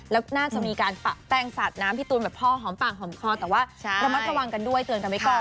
แล้วน่าจะมีการปะแป้งสาดน้ำพี่ตูนแบบพ่อหอมปากหอมคอแต่ว่าระมัดระวังกันด้วยเตือนกันไว้ก่อน